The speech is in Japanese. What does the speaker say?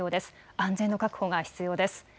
安全の確保が必要です。